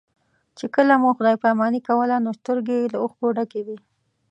چې کله مو خدای پاماني کوله نو سترګې یې له اوښکو ډکې وې.